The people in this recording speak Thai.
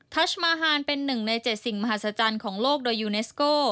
ชัชมาฮานเป็นหนึ่งใน๗สิ่งมหัศจรรย์ของโลกโดยยูเนสโก